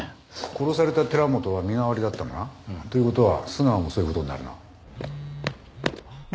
殺された寺本は身代わりだったんだな。という事は須川もそういう事になるな。